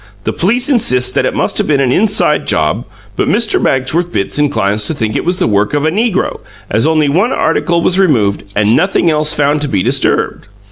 The police insist that it must have been an inside job, but Mr. Magsworth Bitts inclines to think it was the work of a negro, as only one article was removed and nothing else found to be disturbed.